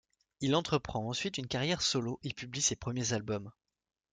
Il entreprend ensuite une carrière solo et publie ses premiers albums.